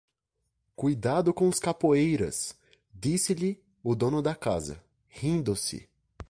Cuidado com os capoeiras! disse-lhe o dono da casa, rindo-se.